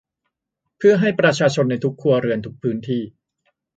เพื่อให้ประชาชนในทุกครัวเรือนทุกพื้นที่